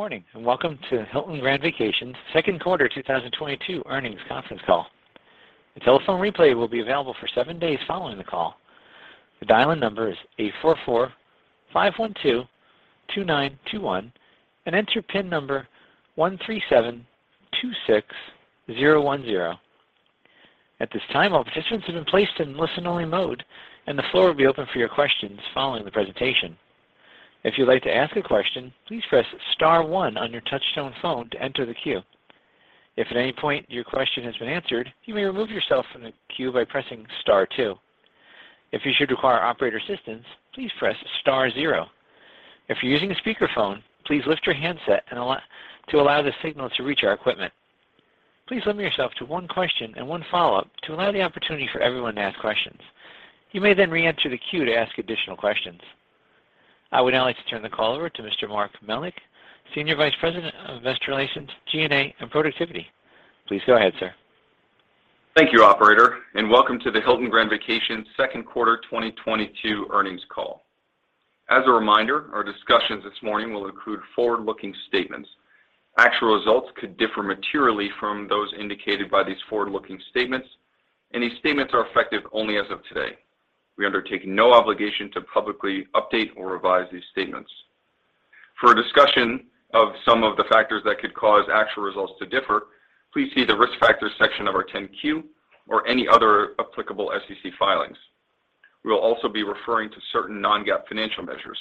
Good morning, and welcome to Hilton Grand Vacations' Q2 2022 Earnings Conference Call. The telephone replay will be available for seven days following the call. The dial-in number is 844-512-2921 and enter PIN number 13726010. At this time, all participants have been placed in listen-only mode, and the floor will be open for your questions following the presentation. If you'd like to ask a question, please press star one on your touchtone phone to enter the queue. If at any point your question has been answered, you may remove yourself from the queue by pressing star two. If you should require operator assistance, please press star zero. If you're using a speakerphone, please lift your handset and allow the signal to reach our equipment. Please limit yourself to one question and one follow-up to allow the opportunity for everyone to ask questions. You may then re-enter the queue to ask additional questions. I would now like to turn the call over to Mr. Mark Melnyk, Senior Vice President of Investor Relations, G&A, and Productivity. Please go ahead, sir. Thank you, operator, and welcome to the Hilton Grand Vacations Q2 2022 Earnings Call. As a reminder, our discussions this morning will include forward-looking statements. Actual results could differ materially from those indicated by these forward-looking statements, and these statements are effective only as of today. We undertake no obligation to publicly update or revise these statements. For a discussion of some of the factors that could cause actual results to differ, please see the Risk Factors section of our 10-Q or any other applicable SEC filings. We will also be referring to certain non-GAAP financial measures.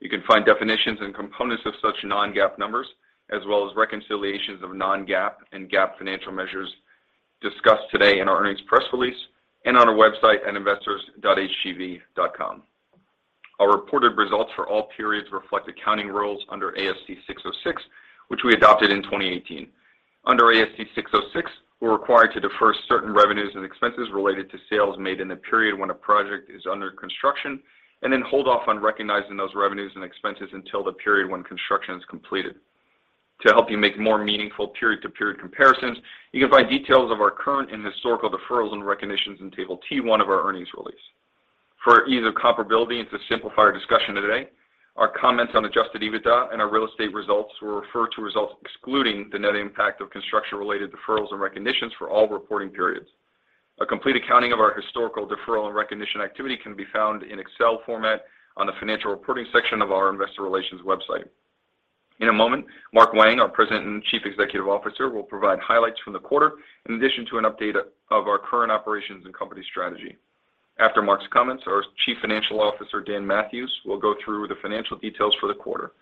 You can find definitions and components of such non-GAAP numbers, as well as reconciliations of non-GAAP and GAAP financial measures discussed today in our earnings press release and on our website at investors.hgv.com. Our reported results for all periods reflect accounting rules under ASC 606, which we adopted in 2018. Under ASC 606, we're required to defer certain revenues and expenses related to sales made in the period when a project is under construction, and then hold off on recognizing those revenues and expenses until the period when construction is completed. To help you make more meaningful period-to-period comparisons, you can find details of our current and historical deferrals and recognitions in Table T-1 of our earnings release. For ease of comparability and to simplify our discussion today, our comments on adjusted EBITDA and our real estate results will refer to results excluding the net impact of construction related deferrals and recognitions for all reporting periods. A complete accounting of our historical deferral and recognition activity can be found in Excel format on the Financial Reporting section of our Investor Relations website. In a moment, Mark Wang, our President and Chief Executive Officer, will provide highlights from the quarter in addition to an update of our current operations and company strategy. After Mark's comments, our Chief Financial Officer, Dan Mathewes, will go through the financial details for the quarter.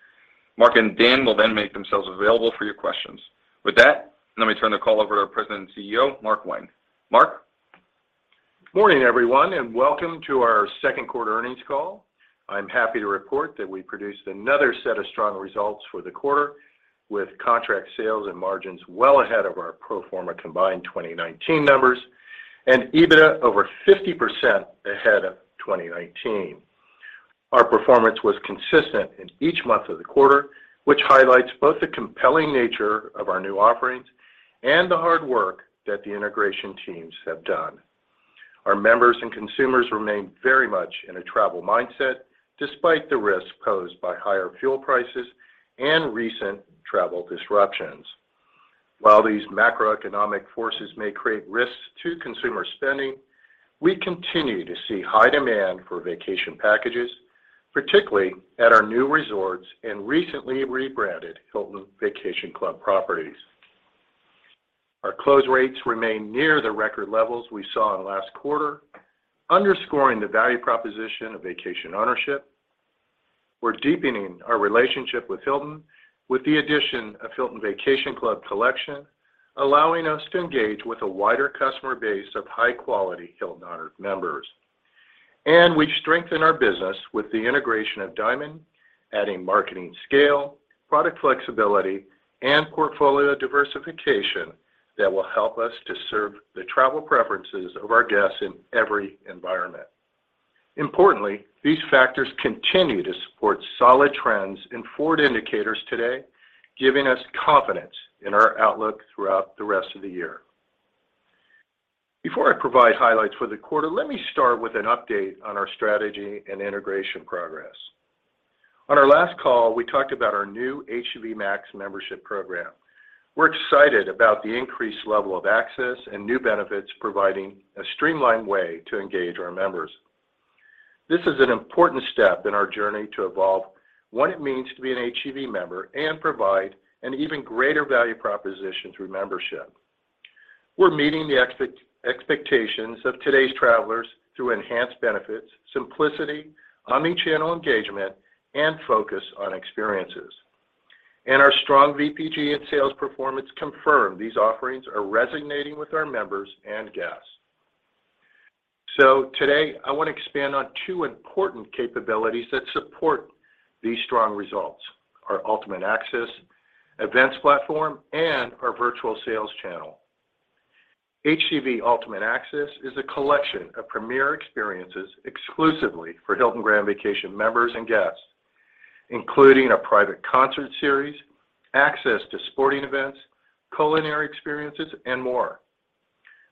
Mark and Dan will then make themselves available for your questions. With that, let me turn the call over to our President and CEO, Mark Wang. Mark? Morning, everyone, and welcome to our Q2 earnings call. I'm happy to report that we produced another set of strong results for the quarter with contract sales and margins well ahead of our pro forma combined 2019 numbers and EBITDA over 50% ahead of 2019. Our performance was consistent in each month of the quarter, which highlights both the compelling nature of our new offerings and the hard work that the integration teams have done. Our members and consumers remain very much in a travel mindset despite the risks posed by higher fuel prices and recent travel disruptions. While these macroeconomic forces may create risks to consumer spending, we continue to see high demand for vacation packages, particularly at our new resorts and recently rebranded Hilton Vacation Club properties. Our close rates remain near the record levels we saw in last quarter, underscoring the value proposition of vacation ownership. We're deepening our relationship with Hilton with the addition of Hilton Vacation Club collection, allowing us to engage with a wider customer base of high-quality Hilton Honors members. We've strengthened our business with the integration of Diamond, adding marketing scale, product flexibility, and portfolio diversification that will help us to serve the travel preferences of our guests in every environment. Importantly, these factors continue to support solid trends in forward indicators today, giving us confidence in our outlook throughout the rest of the year. Before I provide highlights for the quarter, let me start with an update on our strategy and integration progress. On our last call, we talked about our new HGV Max membership program. We're excited about the increased level of access and new benefits providing a streamlined way to engage our members. This is an important step in our journey to evolve what it means to be an HGV member and provide an even greater value proposition through membership. We're meeting the expectations of today's travelers through enhanced benefits, simplicity, omni-channel engagement, and focus on experiences. Our strong VPG and sales performance confirm these offerings are resonating with our members and guests. Today, I want to expand on two important capabilities that support these strong results, our Ultimate Access events platform and our virtual sales channel. HGV Ultimate Access is a collection of premier experiences exclusively for Hilton Grand Vacations members and guests, including a private concert series, access to sporting events, culinary experiences, and more.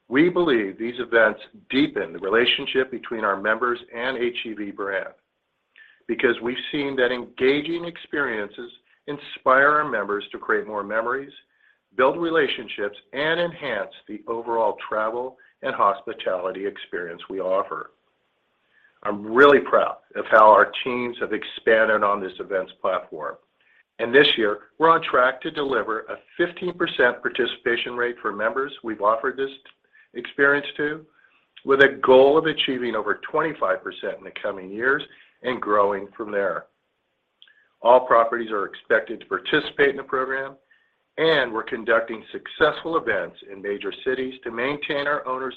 We believe these events deepen the relationship between our members and HGV brand because we've seen that engaging experiences inspire our members to create more memories, build relationships, and enhance the overall travel and hospitality experience we offer. I'm really proud of how our teams have expanded on this events platform. This year, we're on track to deliver a 15% participation rate for members we've offered this experience to, with a goal of achieving over 25% in the coming years and growing from there. All properties are expected to participate in the program, and we're conducting successful events in major cities to maintain our owners'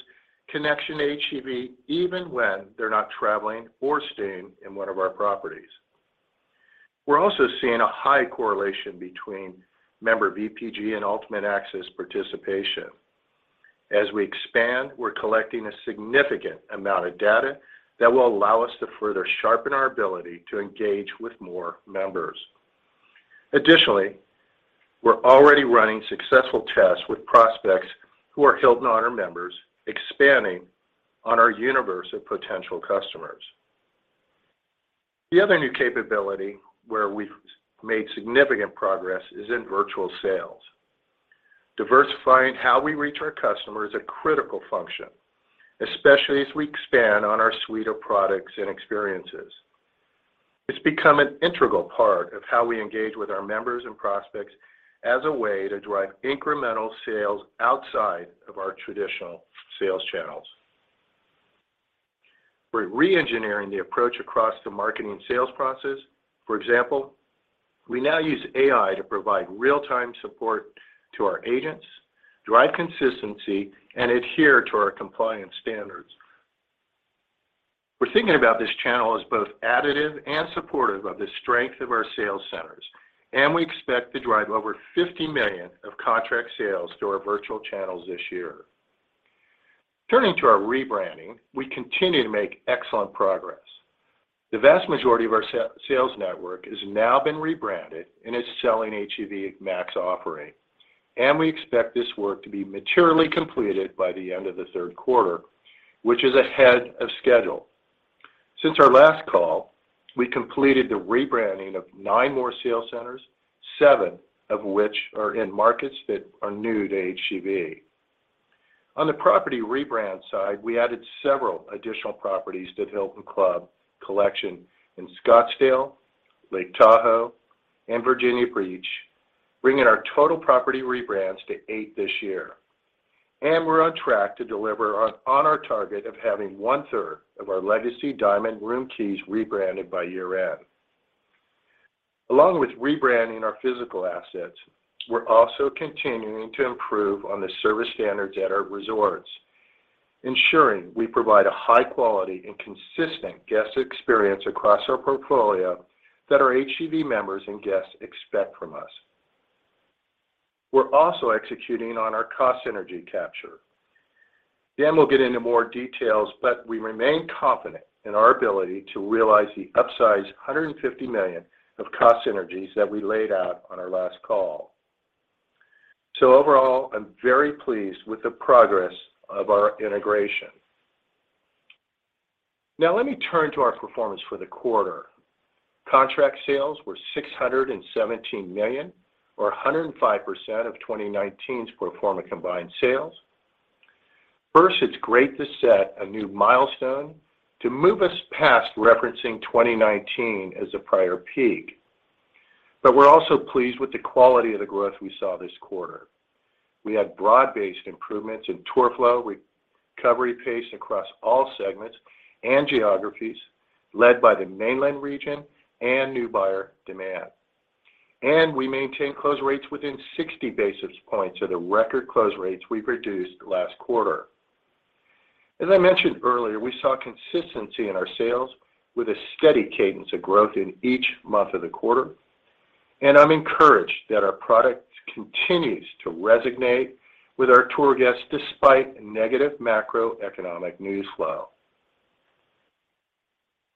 connection to HGV even when they're not traveling or staying in one of our properties. We're also seeing a high correlation between member VPG and Ultimate Access participation. As we expand, we're collecting a significant amount of data that will allow us to further sharpen our ability to engage with more members. Additionally, we're already running successful tests with prospects who are Hilton Honors members, expanding on our universe of potential customers. The other new capability where we've made significant progress is in virtual sales. Diversifying how we reach our customer is a critical function, especially as we expand on our suite of products and experiences. It's become an integral part of how we engage with our members and prospects as a way to drive incremental sales outside of our traditional sales channels. We're reengineering the approach across the marketing sales process. For example, we now use AI to provide real-time support to our agents, drive consistency, and adhere to our compliance standards. We're thinking about this channel as both additive and supportive of the strength of our sales centers, and we expect to drive over $50 million of contract sales to our virtual channels this year. Turning to our rebranding, we continue to make excellent progress. The vast majority of our sales network has now been rebranded and is selling HGV Max offering, and we expect this work to be materially completed by the end of Q3, which is ahead of schedule. Since our last call, we completed the rebranding of nine more sales centers, seven of which are in markets that are new to HGV. On the property rebrand side, we added several additional properties to Hilton Vacation Club collection in Scottsdale, Lake Tahoe, and Virginia Beach, bringing our total property rebrands to eight this year. We're on track to deliver on our target of having one-third of our Legacy Diamond room keys rebranded by year-end. Along with rebranding our physical assets, we're also continuing to improve on the service standards at our resorts, ensuring we provide a high quality and consistent guest experience across our portfolio that our HGV members and guests expect from us. We're also executing on our cost synergy capture. Dan will get into more details, but we remain confident in our ability to realize the upsized $150 million of cost synergies that we laid out on our last call. Overall, I'm very pleased with the progress of our integration. Now, let me turn to our performance for the quarter. Contract sales were $617 million or 105% of 2019's pro forma combined sales. First, it's great to set a new milestone to move us past referencing 2019 as a prior peak. We're also pleased with the quality of the growth we saw this quarter. We had broad-based improvements in tour flow, recovery pace across all segments and geographies led by the mainland region and new buyer demand. We maintained close rates within 60 basis points of the record close rates we produced last quarter. As I mentioned earlier, we saw consistency in our sales with a steady cadence of growth in each month of the quarter, and I'm encouraged that our product continues to resonate with our tour guests despite negative macroeconomic news flow.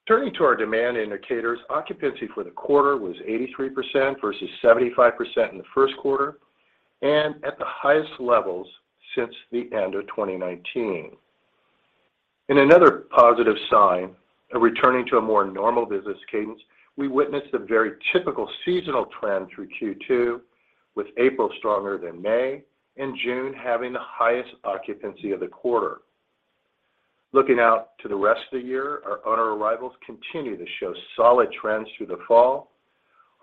Turning to our demand indicators, occupancy for the quarter was 83% versus 75% in Q1, and at the highest levels since the end of 2019. In another positive sign of returning to a more normal business cadence, we witnessed a very typical seasonal trend through Q2, with April stronger than May, and June having the highest occupancy of the quarter. Looking out to the rest of the year, our owner arrivals continue to show solid trends through the fall.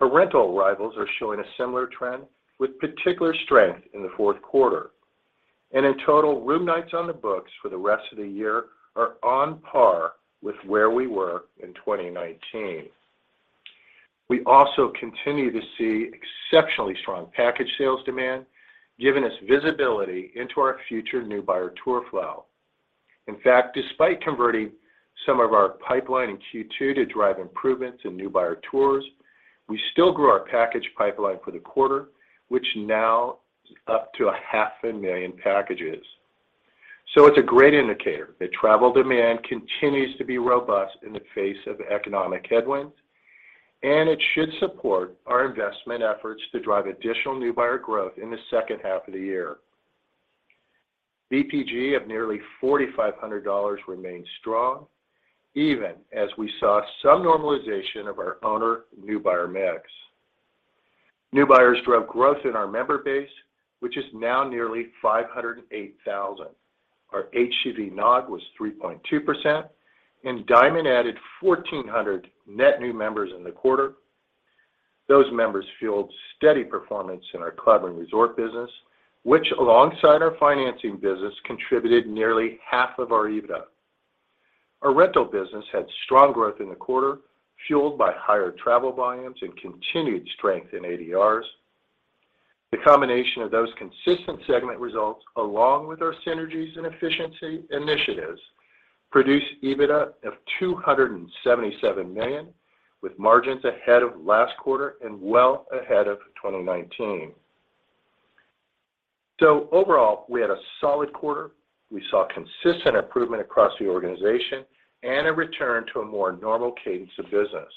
Our rental arrivals are showing a similar trend with particular strength in Q4. In total, room nights on the books for the rest of the year are on par with where we were in 2019. We also continue to see exceptionally strong package sales demand, giving us visibility into our future new buyer tour flow. In fact, despite converting some of our pipeline in Q2 to drive improvements in new buyer tours, we still grew our package pipeline for the quarter, which now is up to 500,000 packages. It's a great indicator that travel demand continues to be robust in the face of economic headwinds. It should support our investment efforts to drive additional new buyer growth in the second half of the year. VPG of nearly $4,500 remains strong, even as we saw some normalization of our owner new buyer mix. New buyers drove growth in our member base, which is now nearly 508,000. Our HGV NOG was 3.2%, and Diamond added 1,400 net new members in the quarter. Those members fueled steady performance in our club and resort business, which alongside our financing business contributed nearly half of our EBITDA. Our rental business had strong growth in the quarter, fueled by higher travel volumes and continued strength in ADRs. The combination of those consistent segment results, along with our synergies and efficiency initiatives, produced EBITDA of $277 million, with margins ahead of last quarter and well ahead of 2019. Overall, we had a solid quarter. We saw consistent improvement across the organization and a return to a more normal cadence of business.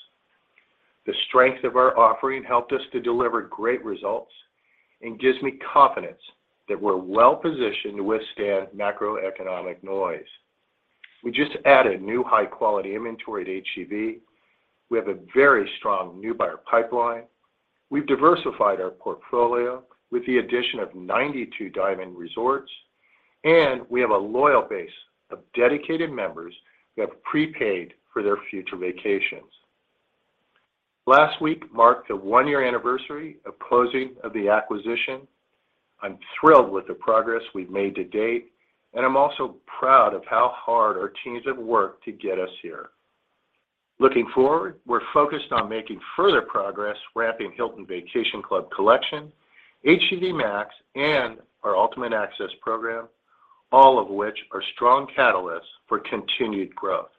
The strength of our offering helped us to deliver great results and gives me confidence that we're well positioned to withstand macroeconomic noise. We just added new high-quality inventory at HGV. We have a very strong new buyer pipeline. We've diversified our portfolio with the addition of 92 Diamond resorts, and we have a loyal base of dedicated members who have prepaid for their future vacations. Last week marked the one-year anniversary of closing of the acquisition. I'm thrilled with the progress we've made to date, and I'm also proud of how hard our teams have worked to get us here. Looking forward, we're focused on making further progress ramping Hilton Vacation Club collection, HGV Max, and our HGV Ultimate Access program, all of which are strong catalysts for continued growth.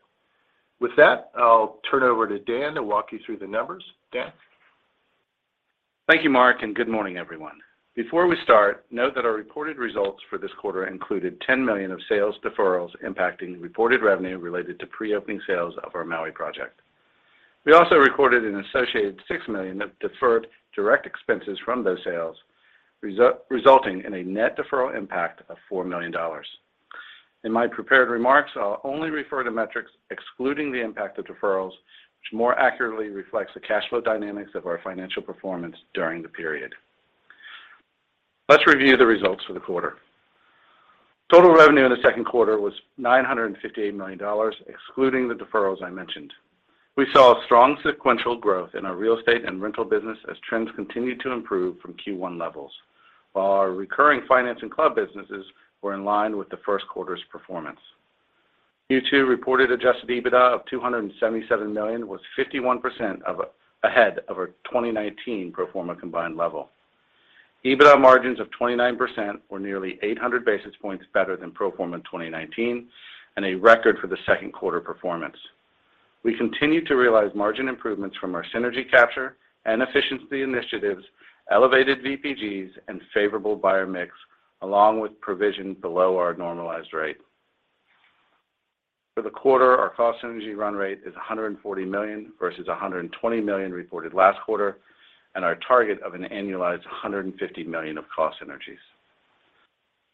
With that, I'll turn it over to Dan to walk you through the numbers. Dan? Thank you, Mark, and good morning, everyone. Before we start, note that our reported results for this quarter included $10 million of sales deferrals impacting reported revenue related to pre-opening sales of our Maui project. We also recorded an associated $6 million of deferred direct expenses from those sales, resulting in a net deferral impact of $4 million. In my prepared remarks, I'll only refer to metrics excluding the impact of deferrals, which more accurately reflects the cash flow dynamics of our financial performance during the period. Let's review the results for the quarter. Total revenue in Q2 was $958 million, excluding the deferrals I mentioned. We saw strong sequential growth in our real estate and rental business as trends continued to improve from Q1 levels, while our recurring finance and club businesses were in line with Q1 performance. Q2 reported adjusted EBITDA of $277 million was 51% ahead of our 2019 pro forma combined level. EBITDA margins of 29% were nearly 800 basis points better than pro forma 2019 and a record for Q2 performance. We continue to realize margin improvements from our synergy capture and efficiency initiatives, elevated VPGs, and favorable buyer mix, along with provision below our normalized rate. For the quarter, our cost synergy run rate is $140 million versus $120 million reported last quarter and our target of an annualized $150 million of cost synergies.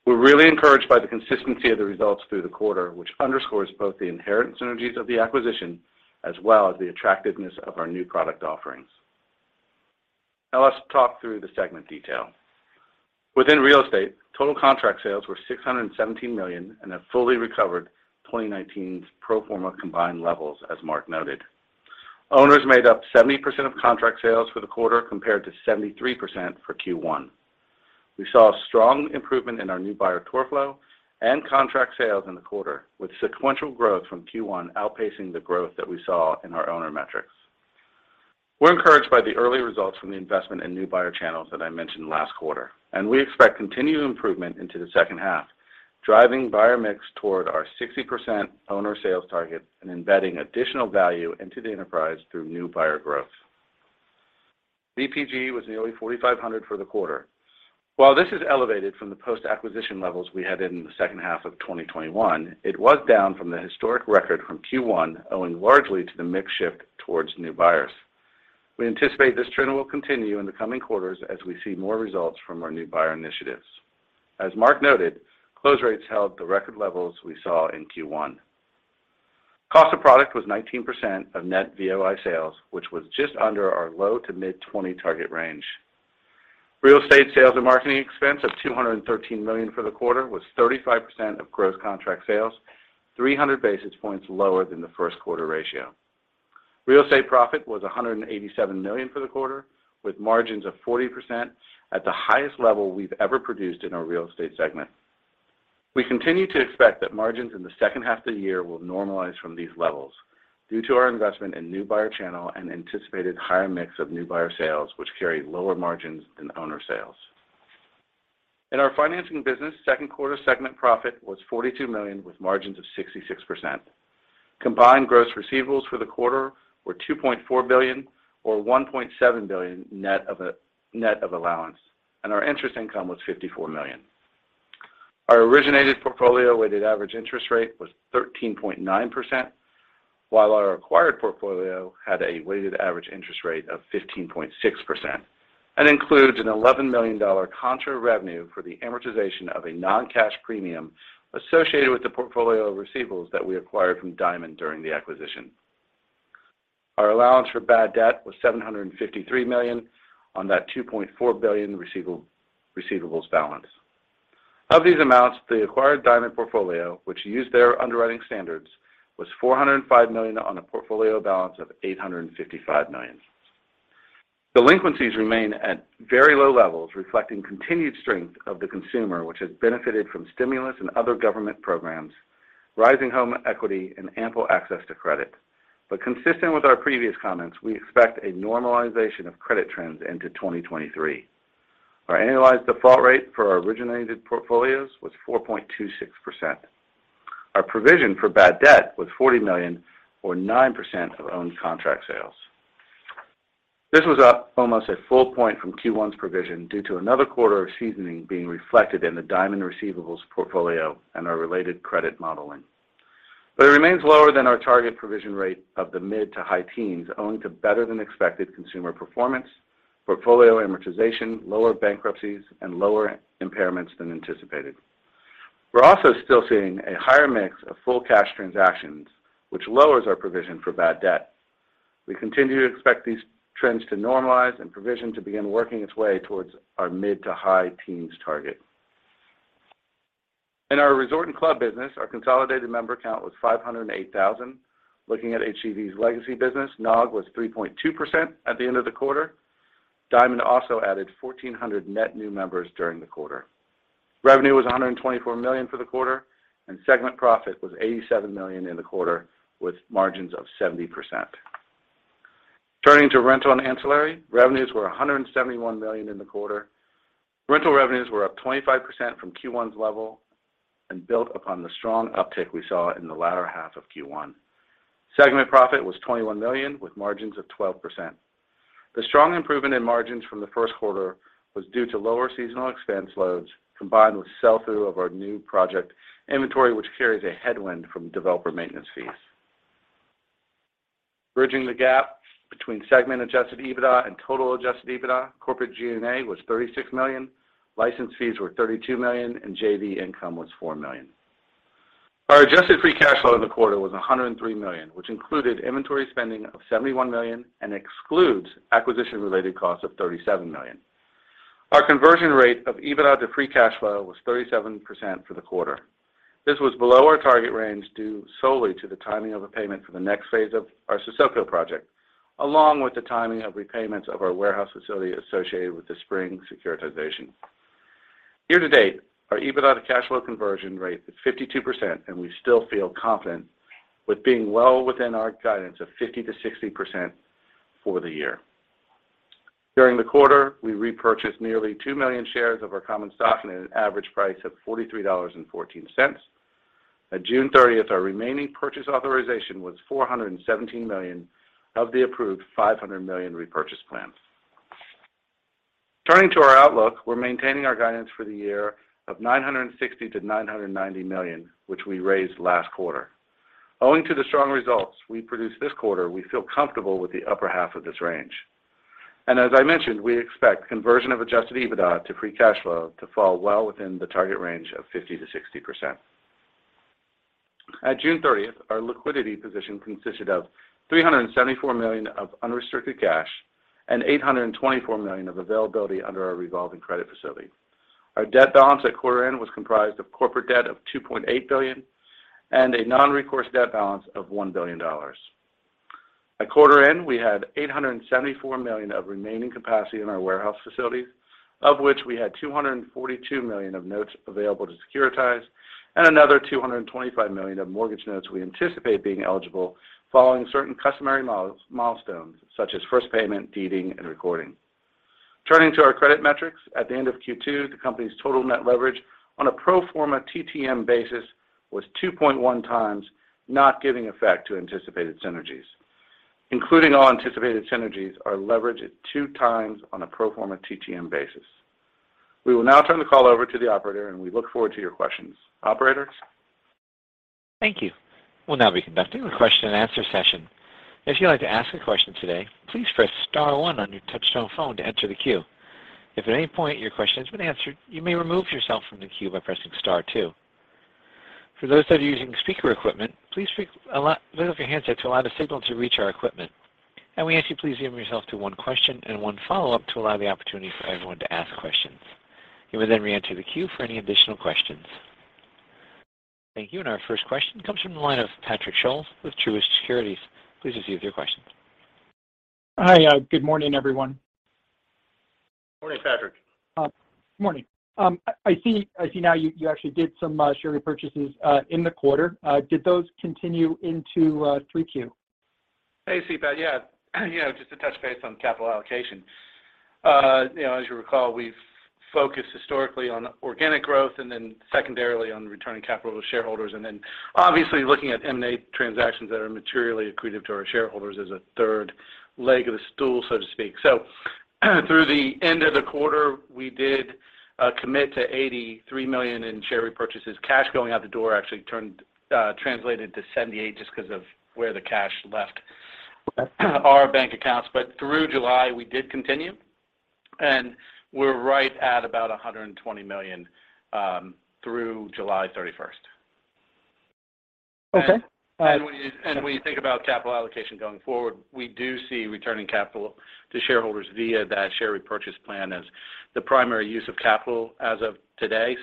We're really encouraged by the consistency of the results through the quarter, which underscores both the inherent synergies of the acquisition as well as the attractiveness of our new product offerings. Now let's talk through the segment detail. Within real estate, total contract sales were $617 million and have fully recovered 2019's pro forma combined levels, as Mark noted. Owners made up 70% of contract sales for the quarter compared to 73% for Q1. We saw a strong improvement in our new buyer tour flow and contract sales in the quarter, with sequential growth from Q1 outpacing the growth that we saw in our owner metrics. We're encouraged by the early results from the investment in new buyer channels that I mentioned last quarter, and we expect continued improvement into the second half, driving buyer mix toward our 60% owner sales target and embedding additional value into the enterprise through new buyer growth. VPG was nearly $4,500 for the quarter. While this is elevated from the post-acquisition levels we had in the second half of 2021, it was down from the historic record from Q1 owing largely to the mix shift towards new buyers. We anticipate this trend will continue in the coming quarters as we see more results from our new buyer initiatives. As Mark noted, close rates held the record levels we saw in Q1. Cost of product was 19% of net VOI sales, which was just under our low- to mid-20% target range. Real estate sales and marketing expense of $213 million for the quarter was 35% of gross contract sales, 300 basis points lower than the first quarter ratio. Real estate profit was $187 million for the quarter, with margins of 40% at the highest level we've ever produced in our real estate segment. We continue to expect that margins in the second half of the year will normalize from these levels due to our investment in new buyer channel and anticipated higher mix of new buyer sales, which carry lower margins than owner sales. In our financing business, Q2 segment profit was $42 million with margins of 66%. Combined gross receivables for the quarter were $2.4 billion or $1.7 billion net of allowance, and our interest income was $54 million. Our originated portfolio weighted average interest rate was 13.9%, while our acquired portfolio had a weighted average interest rate of 15.6% and includes an $11 million contra revenue for the amortization of a non-cash premium associated with the portfolio of receivables that we acquired from Diamond during the acquisition. Our allowance for bad debt was $753 million on that $2.4 billion receivables balance. Of these amounts, the acquired Diamond portfolio, which used their underwriting standards, was $405 million on a portfolio balance of $855 million. Delinquencies remain at very low levels, reflecting continued strength of the consumer, which has benefited from stimulus and other government programs, rising home equity and ample access to credit. Consistent with our previous comments, we expect a normalization of credit trends into 2023. Our annualized default rate for our originated portfolios was 4.26%. Our provision for bad debt was $40 million or 9% of owned contract sales. This was up almost a full point from Q1's provision due to another quarter of seasoning being reflected in the Diamond receivables portfolio and our related credit modeling. It remains lower than our target provision rate of the mid-to-high teens owing to better than expected consumer performance, portfolio amortization, lower bankruptcies and lower impairments than anticipated. We're also still seeing a higher mix of full cash transactions, which lowers our provision for bad debt. We continue to expect these trends to normalize and provision to begin working its way towards our mid-to high-teens target. In our resort and club business, our consolidated member count was 508,000. Looking at HGV's legacy business, NOG was 3.2% at the end of the quarter. Diamond also added 1,400 net new members during the quarter. Revenue was $124 million for the quarter, and segment profit was $87 million in the quarter, with margins of 70%. Turning to rental and ancillary, revenues were $171 million in the quarter. Rental revenues were up 25% from Q1's level and built upon the strong uptick we saw in the latter half of Q1. Segment profit was $21 million, with margins of 12%. The strong improvement in margins from Q1 was due to lower seasonal expense loads combined with sell-through of our new project inventory, which carries a headwind from developer maintenance fees. Bridging the gap between segment adjusted EBITDA and total adjusted EBITDA, corporate G&A was $36 million, license fees were $32 million, and JV income was $4 million. Our adjusted free cash flow in the quarter was $103 million, which included inventory spending of $71 million and excludes acquisition-related costs of $37 million. Our conversion rate of EBITDA to free cash flow was 37% for the quarter. This was below our target range, due solely to the timing of a payment for the next phase of our Sesoko project, along with the timing of repayments of our warehouse facility associated with the spring securitization. Year-to-date, our EBITDA to cash flow conversion rate is 52%, and we still feel confident with being well within our guidance of 50%-60% for the year. During the quarter, we repurchased nearly 2 million shares of our common stock at an average price of $43.14. At June 30th, our remaining purchase authorization was $417 million of the approved $500 million repurchase plan. Turning to our outlook, we're maintaining our guidance for the year of $960 million-$990 million, which we raised last quarter. Owing to the strong results we produced this quarter, we feel comfortable with the upper half of this range. As I mentioned, we expect conversion of adjusted EBITDA to free cash flow to fall well within the target range of 50%-60%. At June 30th, our liquidity position consisted of $374 million of unrestricted cash and $824 million of availability under our revolving credit facility. Our debt balance at quarter end was comprised of corporate debt of $2.8 billion and a non-recourse debt balance of $1 billion. At quarter end, we had $874 million of remaining capacity in our warehouse facilities, of which we had $242 million of notes available to securitize and another $225 million of mortgage notes we anticipate being eligible following certain customary milestones such as first payment, deeding and recording. Turning to our credit metrics, at the end of Q2, the company's total net leverage on a pro forma TTM basis was 2.1 times not giving effect to anticipated synergies. Including all anticipated synergies, our leverage is 2 times on a pro forma TTM basis. We will now turn the call over to the operator, and we look forward to your questions. Operator? Thank you. We'll now be conducting a question and answer session. If you'd like to ask a question today, please press star one on your touch-tone phone to enter the queue. If at any point your question has been answered, you may remove yourself from the queue by pressing star two. For those that are using speaker equipment, please lift up your handset to allow the signal to reach our equipment. We ask you please limit yourself to one question and one follow-up to allow the opportunity for everyone to ask questions. You may then re-enter the queue for any additional questions. Thank you. Our first question comes from the line of Patrick Scholes with Truist Securities. Please proceed with your question. Hi. Good morning, everyone. Morning, Patrick. Good morning. I see now you actually did some share repurchases in the quarter. Did those continue into 3Q? As you see, Pat, yeah, you know, just to touch base on capital allocation. You know, as you recall, we've focused historically on organic growth and then secondary returning capital to shareholders, and then obviously looking at M&A transactions that are materially accretive to our shareholders as a third leg of the stool, so to speak. Through the end of the quarter, we did commit to $83 million in share repurchases. Cash going out the door actually translated to $78 million just 'cause of where the cash left our bank accounts. Through July, we did continue, and we're right at about $120 million through July 31st. Okay. When you think about capital allocation going forward, we do see returning capital to shareholders via that share repurchase plan as the primary use of capital as of today.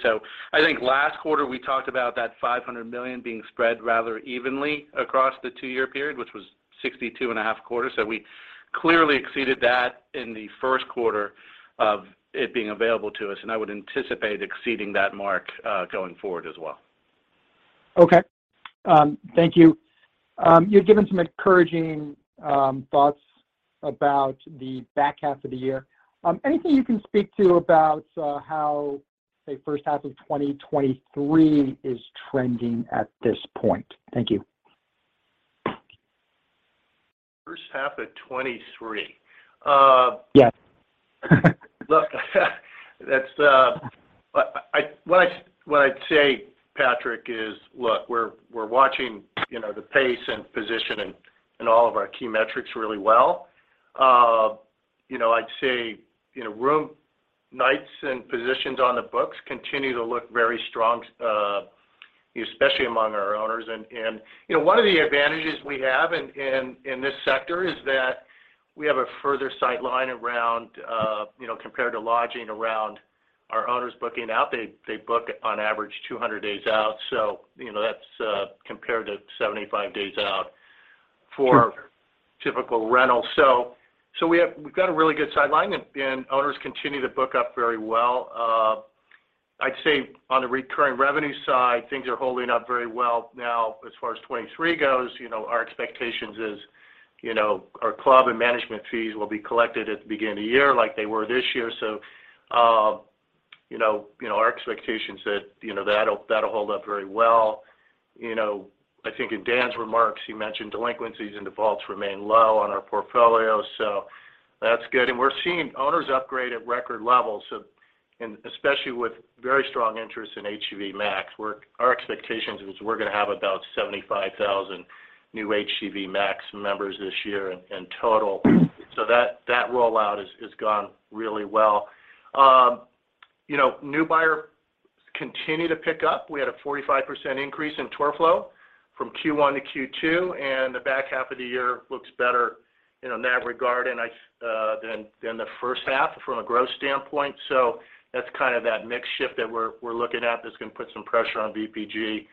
I think last quarter we talked about that $500 million being spread rather evenly across the two-year period, which was $62.5 million per quarter. We clearly exceeded that in Q1 of it being available to us, and I would anticipate exceeding that mark going forward as well. Okay. Thank you. You've given some encouraging thoughts about the back half of the year. Anything you can speak to about how, say, first half of 2023 is trending at this point? Thank you. First half of 2023? Yes. Look, that's what I'd say, Patrick, is look, we're watching, you know, the pace and position in all of our key metrics really well. You know, I'd say, you know, room nights and positions on the books continue to look very strong, especially among our owners. You know, one of the advantages we have in this sector is that we have a further sight line around, you know, compared to lodging around our owners booking out. They book on average 200 days out, so you know, that's compared to 75 days out for typical rentals. We've got a really good sideline, and owners continue to book up very well. I'd say on the recurring revenue side, things are holding up very well now. As far as 2023 goes, you know, our expectations is, you know, our club and management fees will be collected at the beginning of the year like they were this year. You know, our expectation's that, you know, that'll hold up very well. You know, I think in Dan's remarks, he mentioned delinquencies and defaults remain low on our portfolio, so that's good. We're seeing owners upgrade at record levels, so. Especially with very strong interest in HGV Max, our expectations is we're gonna have about 75,000 new HGV Max members this year in total. That rollout has gone really well. You know, new buyers continue to pick up. We had a 45% increase in tour flow from Q1 to Q2, and the back half of the year looks better, you know, in that regard, and than the first half from a growth standpoint. That's kind of that mix shift that we're looking at that's gonna put some pressure on VPG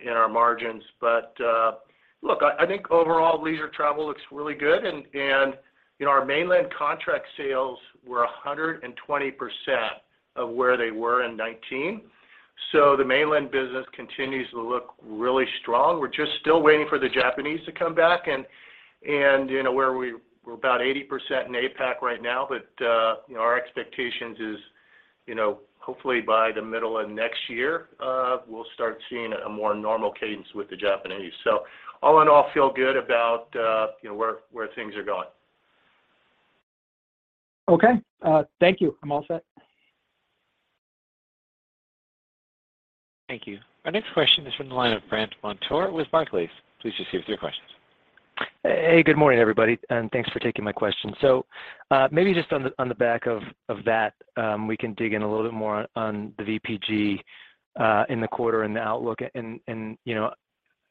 in our margins. Look, I think overall leisure travel looks really good, and you know, our mainland contract sales were 120% of where they were in 2019. The mainland business continues to look really strong. We're just still waiting for the Japanese to come back, and you know, we're about 80% in APAC right now. You know, our expectations is, you know, hopefully by the middle of next year, we'll start seeing a more normal cadence with the Japanese. All in all, feel good about, you know, where things are going. Okay. Thank you. I'm all set. Thank you. Our next question is from the line of Brandt Montour with Barclays. Please proceed with your questions. Hey, good morning, everybody, and thanks for taking my question. Maybe just on the back of that, we can dig in a little bit more on the VPG in the quarter and the outlook and you know,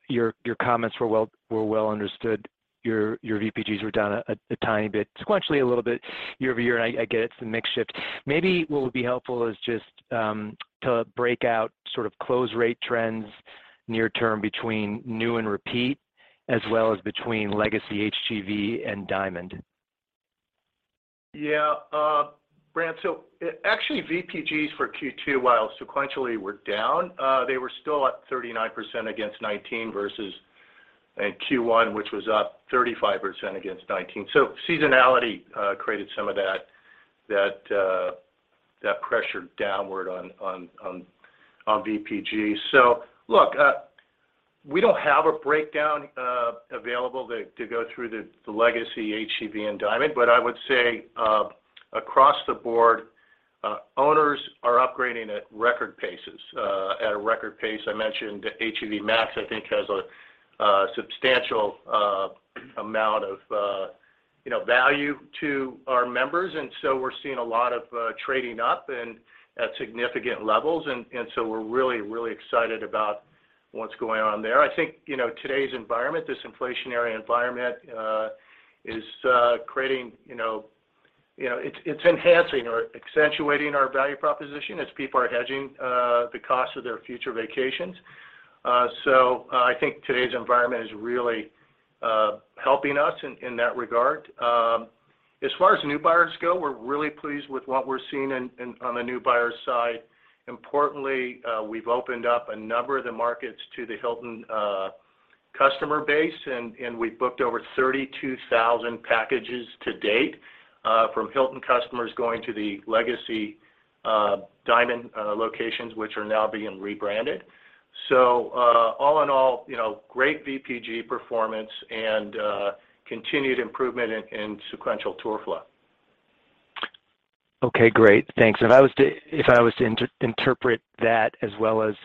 your comments were well understood. Your VPGs were down a tiny bit, sequentially a little bit year-over-year, and I get it. It's the mix shift. Maybe what would be helpful is just to break out sort of close rate trends near-term between new and repeat as well as between legacy HGV and Diamond? Actually, VPGs for Q2, while sequentially were down, they were still up 39% against 2019 versus in Q1, which was up 35% against 2019. Seasonality created some of that pressure downward on VPG. Look, we don't have a breakdown available to go through the legacy HGV and Diamond, but I would say across the board, owners are upgrading at record paces at a record pace. I mentioned HGV Max. I think it has a substantial amount of value to our members, and so we're seeing a lot of trading up and at significant levels. So we're really excited about what's going on there. I think today's environment, this inflationary environment, is creating. You know, it's enhancing or accentuating our value proposition as people are hedging the cost of their future vacations. So I think today's environment is really helping us in that regard. As far as new buyers go, we're really pleased with what we're seeing on the new buyers side. Importantly, we've opened up a number of the markets to the Hilton. Customer base and we've booked over 32,000 packages to date, from Hilton customers going to the Legacy Diamond locations, which are now being rebranded. All in all, you know, great VPG performance and continued improvement in sequential tour flow. Okay, great. Thanks. If I was to interpret that as well as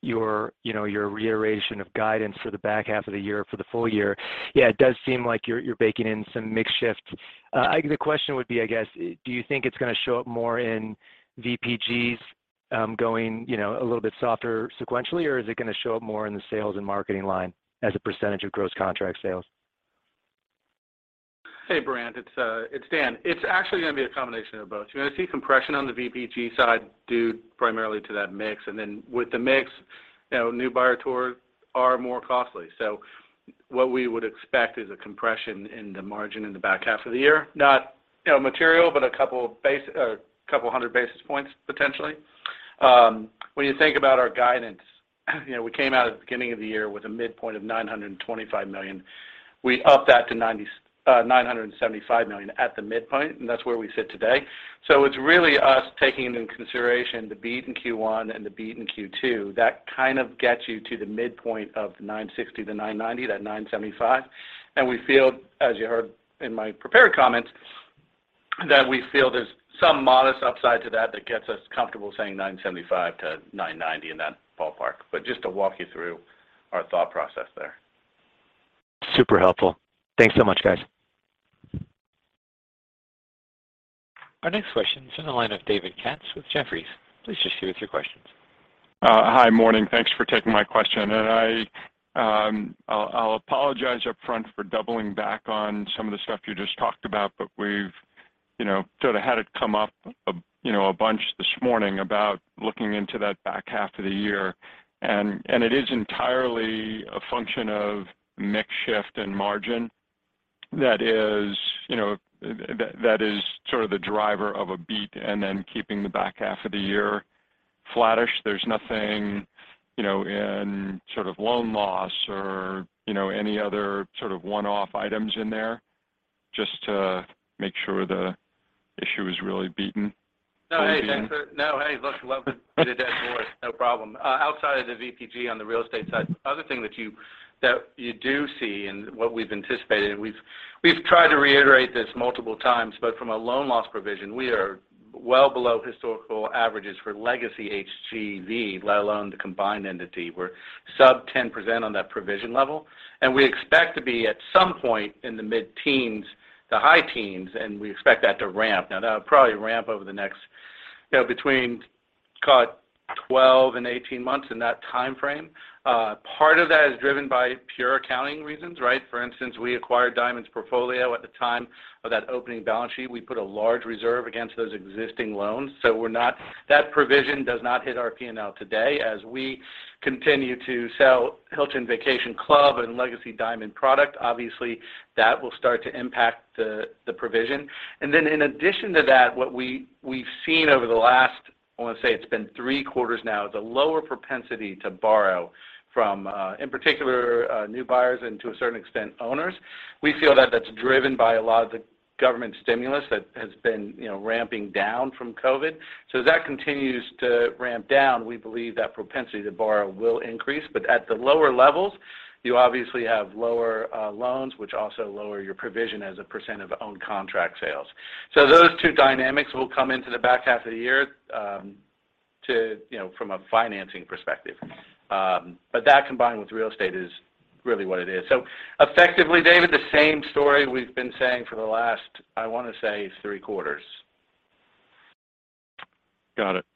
your, you know, your reiteration of guidance for the back half of the year for the full year, yeah, it does seem like you're baking in some mix shift. I guess the question would be, I guess, do you think it's gonna show up more in VPGs, going, you know, a little bit softer sequentially? Or is it gonna show up more in the sales and marketing line as a percentage of gross contract sales? Hey, Brandt, it's Dan. It's actually gonna be a combination of both. You're gonna see compression on the VPG side due primarily to that mix. With the mix, you know, new buyer tours are more costly. What we would expect is a compression in the margin in the back half of the year, not, you know, material, but a couple hundred basis points potentially. When you think about our guidance, you know, we came out at the beginning of the year with a midpoint of $925 million. We upped that to $975 million at the midpoint, and that's where we sit today. It's really us taking into consideration the beat in Q1 and the beat in Q2. That kind of gets you to the midpoint of the $960-$990, that $975. We feel, as you heard in my prepared comments, that we feel there's some modest upside to that that gets us comfortable saying $975-$990 in that ballpark. Just to walk you through our thought process there. Super helpful. Thanks so much, guys. Our next question is on the line of David Katz with Jefferies. Please just give us your questions. Hi. Morning. Thanks for taking my question. I’ll apologize up front for doubling back on some of the stuff you just talked about, but we've, you know, sort of had it come up, you know, a bunch this morning about looking into that back half of the year. It is entirely a function of mix shift and margin that is, you know, that is sort of the driver of a beat and then keeping the back half of the year flattish. There's nothing, you know, in sort of loan loss or, you know, any other sort of one-off items in there? Just to make sure the issue is really beaten. Hey, look, love to beat a dead horse. No problem. Outside of the VPG on the real estate side, the other thing that you do see and what we've anticipated, and we've tried to reiterate this multiple times, but from a loan loss provision, we are well below historical averages for legacy HGV, let alone the combined entity. We're sub 10% on that provision level, and we expect to be at some point in the mid-teens to high-teens, and we expect that to ramp. Now, that'll probably ramp over the next between 12 and 18 months in that timeframe. Part of that is driven by pure accounting reasons, right? For instance, we acquired Diamond's portfolio at the time of that opening balance sheet. We put a large reserve against those existing loans. That provision does not hit our P&L today. As we continue to sell Hilton Vacation Club and Legacy Diamond product, obviously that will start to impact the provision. Then in addition to that, what we've seen over the last, I wanna say it's been three quarters now, the lower propensity to borrow from, in particular, new buyers and to a certain extent, owners. We feel that that's driven by a lot of the government stimulus that has been, you know, ramping down from COVID. As that continues to ramp down, we believe that propensity to borrow will increase. At the lower levels, you obviously have lower loans, which also lower your provision as a percent of owned contract sales. Those two dynamics will come into the back half of the year, you know, from a financing perspective. That combined with real estate is really what it is. Effectively, David, the same story we've been saying for the last, I wanna say, three quarters. Got it.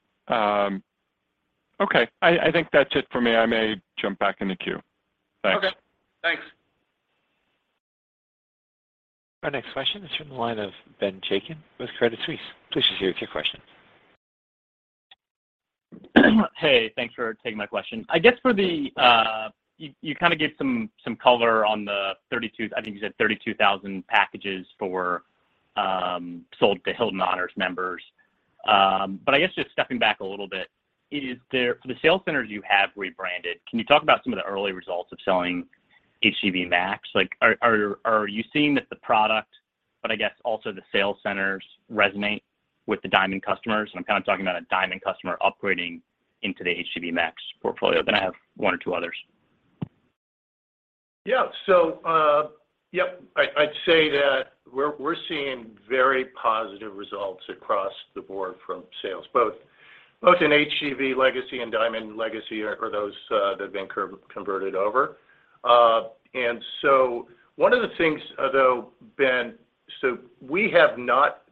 Okay. I think that's it for me. I may jump back in the queue. Thanks. Okay. Thanks. Our next question is from the line of Ben Chaiken with Credit Suisse. Please just give us your question. Hey, thanks for taking my question. I guess for the, you kinda gave some color on the 32,000 packages sold to Hilton Honors members. But I guess just stepping back a little bit, for the sales centers you have rebranded, can you talk about some of the early results of selling HGV Max? Like, are you seeing that the product, but I guess also the sales centers resonate with the Diamond customers? And I'm kind of talking about a Diamond customer upgrading into the HGV Max portfolio. I have one or two others. I'd say that we're seeing very positive results across the board from sales, both in HGV Legacy and Legacy Diamond, those that have been converted over. One of the things though, Ben, we have not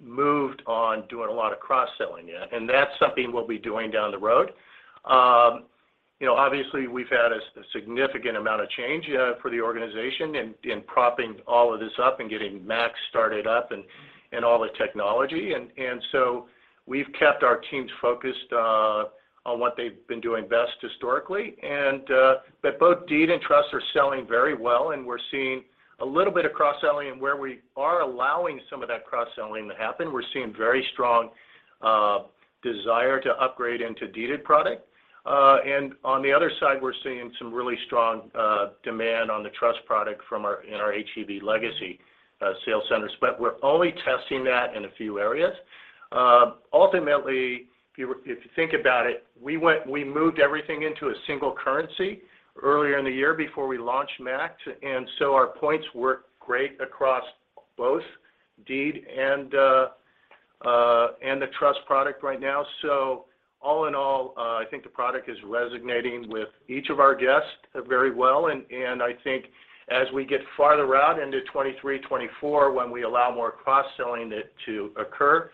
moved on doing a lot of cross-selling yet, and that's something we'll be doing down the road. You know, obviously, we've had a significant amount of change for the organization in prepping all of this up and getting Max started up and all the technology. We've kept our teams focused on what they've been doing best historically. Both deed and trust are selling very well, and we're seeing a little bit of cross-selling. Where we are allowing some of that cross-selling to happen, we're seeing very strong desire to upgrade into deeded product. On the other side, we're seeing some really strong demand on the trust product in our HGV Legacy sales centers. We're only testing that in a few areas. Ultimately, if you think about it, we moved everything into a single currency earlier in the year before we launched MAX, and so our points work great across both deed and the trust product right now. All in all, I think the product is resonating with each of our guests very well. I think as we get farther out into 2023, 2024, when we allow more cross-selling to occur,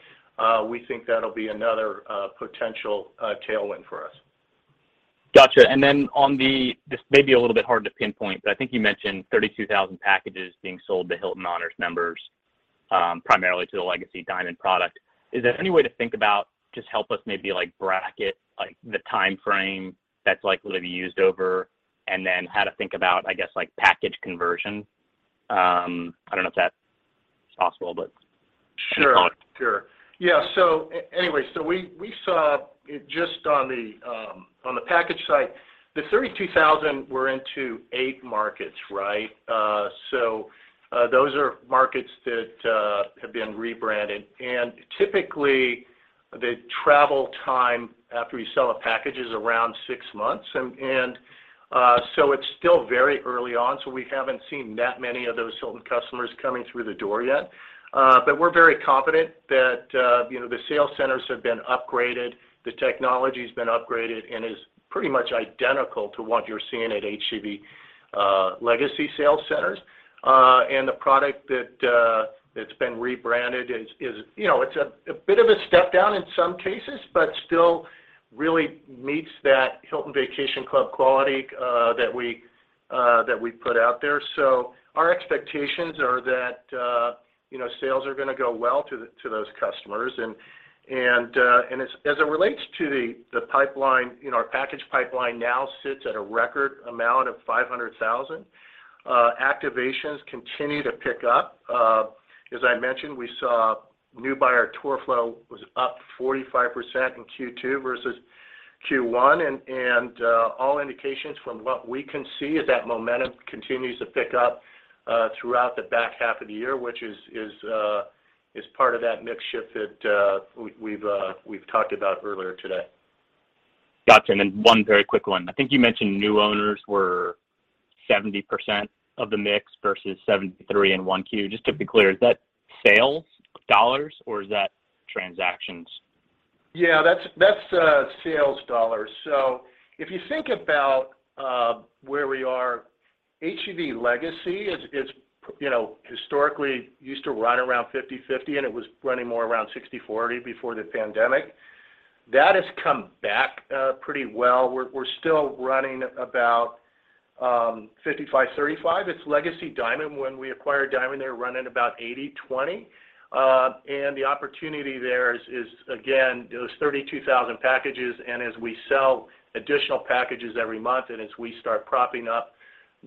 we think that'll be another potential tailwind for us. Gotcha. This may be a little bit hard to pinpoint, but I think you mentioned 32,000 packages being sold to Hilton Honors members, primarily to the Legacy Diamond product. Is there any way to think about just help us maybe like bracket the timeframe that's likely to be used over, and then how to think about, I guess, like, package conversion? I don't know if that's possible, but. Sure, sure. Yeah, anyway, we saw it just on the package side, the 32,000 went into eight markets, right? Those are markets that have been rebranded. Typically, the travel time after we sell a package is around six months. It's still very early on, so we haven't seen that many of those Hilton customers coming through the door yet. But we're very confident that, you know, the sales centers have been upgraded, the technology's been upgraded, and is pretty much identical to what you're seeing at HGV Legacy sales centers. The product that's been rebranded is, you know, a bit of a step down in some cases, but still really meets that Hilton Vacation Club quality that we put out there. Our expectations are that, you know, sales are gonna go well to those customers. As it relates to the pipeline, you know, our package pipeline now sits at a record amount of 500,000. Activations continue to pick up. As I mentioned, we saw new buyer tour flow was up 45% in Q2 versus Q1. All indications from what we can see is that momentum continues to pick up throughout the back half of the year, which is part of that mix shift that we've talked about earlier today. Got you. One very quick one. I think you mentioned new owners were 70% of the mix versus 73 in 1Q. Just to be clear, is that sales dollars or is that transactions? Yeah. That's sales dollars. If you think about where we are, HGV Legacy is, you know, historically used to run around 50/50, and it was running more around 60/40 before the pandemic. That has come back pretty well. We're still running about 55/35. It's Legacy Diamond. When we acquired Diamond, they were running about 80/20. The opportunity there is, again, those 32,000 packages, and as we sell additional packages every month, and as we start propping up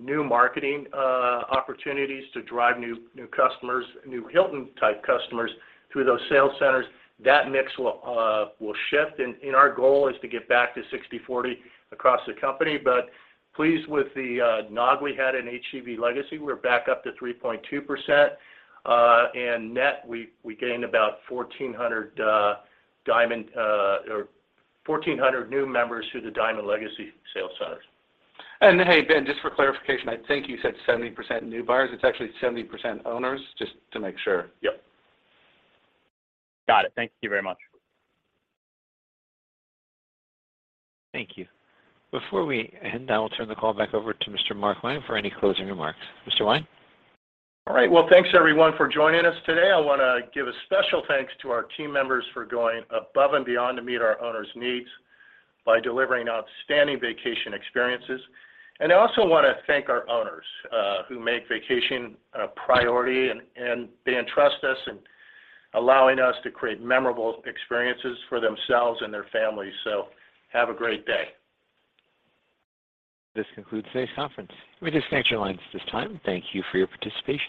new marketing opportunities to drive new customers, new Hilton-type customers through those sales centers, that mix will shift. Our goal is to get back to 60/40 across the company. Pleased with the NOG we had in HGV Legacy. We're back up to 3.2%.net, we gained about 1,400 Diamond or 1,400 new members through the Legacy Diamond sales centers. Hey, Ben, just for clarification, I think you said 70% new buyers. It's actually 70% owners, just to make sure. Yep. Got it. Thank you very much. Thank you. Before we end, I will turn the call back over to Mr. Mark Wang for any closing remarks. Mr. Wang? All right. Well, thanks everyone for joining us today. I wanna give a special thanks to our team members for going above and beyond to meet our owners' needs by delivering outstanding vacation experiences. I also wanna thank our owners, who make vacation a priority and they entrust us in allowing us to create memorable experiences for themselves and their families. Have a great day. This concludes today's conference. You may disconnect your lines at this time. Thank you for your participation.